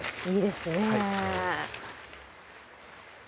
いいですね。